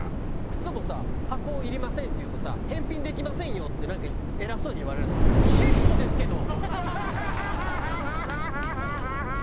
靴もさ「箱いりません」って言うとさ「返品できませんよ！」ってなんか偉そうに言われるの。ハハハハ！